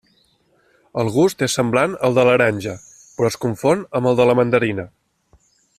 El gust és semblant al de l'aranja, però es confon amb el de la mandarina.